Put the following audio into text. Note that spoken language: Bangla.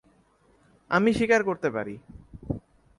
আমি শিকার করতে পারি।